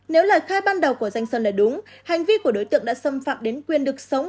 nếu lời khai ban đầu của danh sơn là đúng hành vi của đối tượng đã xâm phạm đến quyền được sống